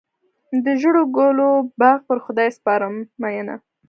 د ژړو ګلو باغ پر خدای سپارم مینه.